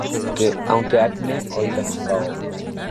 Aunque Acme Oil Co.